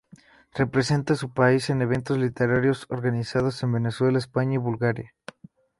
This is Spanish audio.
Representa a su país en eventos literarios organizados en Venezuela, España y Bulgaria.